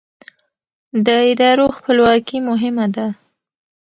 د ادارو خپلواکي مهمه ده